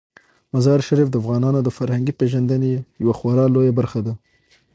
مزارشریف د افغانانو د فرهنګي پیژندنې یوه خورا لویه برخه ده.